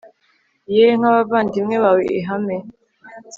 yeee nk'abavandimwe bawe ihame